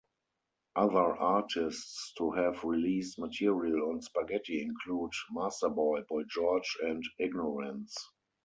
Other artists to have released material on Spaghetti include Masterboy, Boy George and Ignorants.